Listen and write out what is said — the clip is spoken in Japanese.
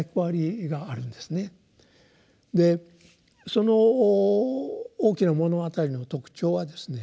その「大きな物語」の特徴はですね